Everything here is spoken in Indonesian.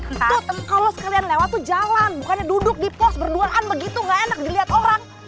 entah kalau sekalian lewat tuh jalan bukannya duduk di pos berduaan begitu gak enak dilihat orang